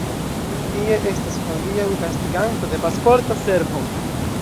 Tie estas hodiaŭ gastiganto de Pasporta Servo.